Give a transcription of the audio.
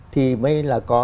thì mới là có